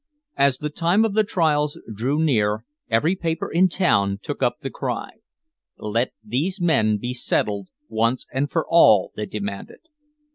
As the time of the trials drew near every paper in town took up the cry. Let these men be settled once and for all, they demanded.